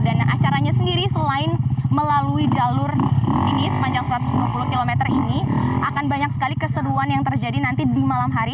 dan acaranya sendiri selain melalui jalur ini sepanjang satu ratus dua puluh km ini akan banyak sekali keseruan yang terjadi nanti di malam hari